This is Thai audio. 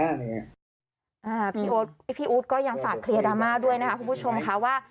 พี่อู๊ดก็ยังฝากเคลียร์ดราม่าด้วยนะคะคุณผู้ชมค่ะว่า